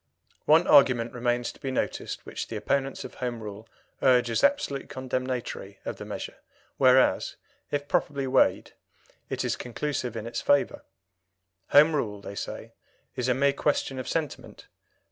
One argument remains to be noticed which the opponents of Home Rule urge as absolutely condemnatory of the measure, whereas, if properly weighed, it is conclusive in its favour. Home Rule, they say, is a mere question of sentiment.